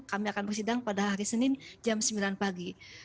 kami akan bersidang pada hari senin jam sembilan pagi